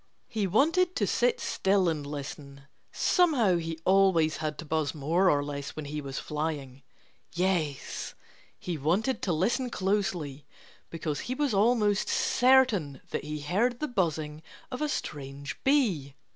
He wanted to sit still and listen. (Somehow he always had to buzz more or less when he was flying.) Yes! he wanted to listen closely because he was almost certain that he heard the buzzing of a strange bee.